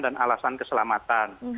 dan alasan keselamatan